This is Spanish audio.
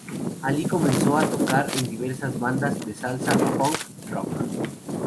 Alí comenzó a tocar en diversas bandas de salsa, funk, rock...